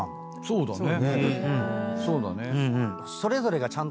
そうだね。